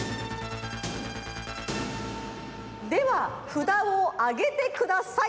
ではふだをあげてください！